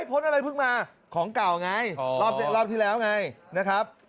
พ้นอะไรเพิ่งมาของเก่าไงรอบที่แล้วไงนะครับ